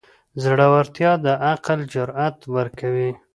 زړورتیا د عمل جرئت ورکوي.